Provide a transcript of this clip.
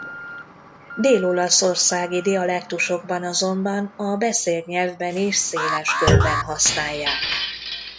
Dél-olaszországi dialektusokban azonban a beszélt nyelvben is széles körben használják.